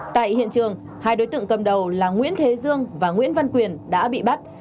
tại hiện trường hai đối tượng cầm đầu là nguyễn thế dương và nguyễn văn quyền đã bị bắt